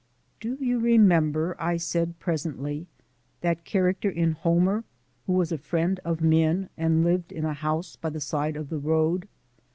"Do you remember," I said presently, "that character in Homer who was a friend of men and lived in a house by the side of the road?